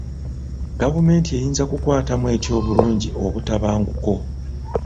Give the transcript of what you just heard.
Gavumenti eyinza kukwatamu etya obulungi obutabanguko?